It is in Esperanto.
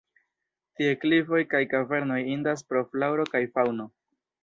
Tie klifoj kaj kavernoj indas pro flaŭro kaj faŭno.